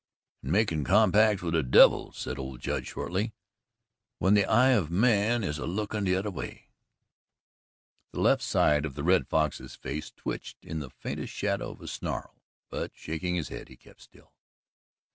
"An' a makin' compacts with the devil," said old Judd shortly, "when the eye of man is a lookin' t'other way." The left side of the Red Fox's face twitched into the faintest shadow of a snarl, but, shaking his head, he kept still.